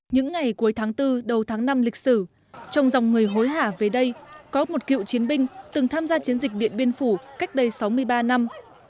những ngày cuối tháng bốn đầu tháng năm lịch sử trong dòng người hối hả về đây có một cựu chiến binh từng tham gia chiến dịch điện biên phủ cách đây sáu mươi ba năm